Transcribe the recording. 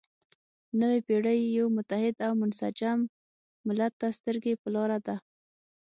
نوې پېړۍ یو متحد او منسجم ملت ته سترګې په لاره ده.